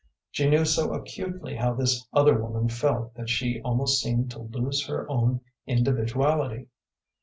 She knew so acutely how this other woman felt that she almost seemed to lose her own individuality.